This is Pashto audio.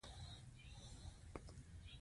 د ماینونو نښې وپېژنو او نورو ته یې هم ور وښیو.